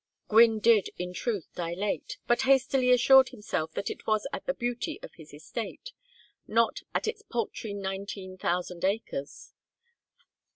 Gwynne did in truth dilate, but hastily assured himself that it was at the beauty of his estate, not at its paltry nineteen thousand acres.